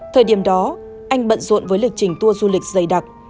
thời điểm đó anh bận rộn với lịch trình tour du lịch dày đặc